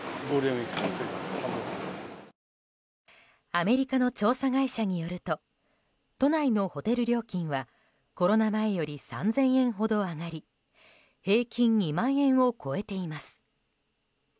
アメリカの調査会社によると都内のホテル料金はコロナ前より３０００円ほど上がり平均２万円を超えています。